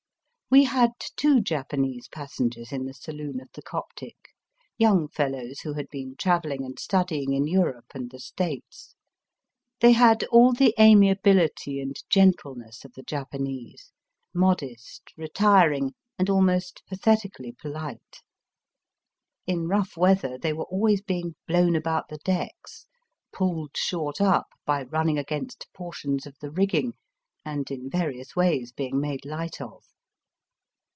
We had two Japanese passengers in the saloon of the Coptic^ young fellows who had been travelling and studying in Europe and the States. They had all the amiability and gen tleness of the Japanese, modest, retiring, and almost pathetically polite. In rough weather they were always being blown about the decks, pulled short up by running against portions of the rigging, and in various ways being made light of.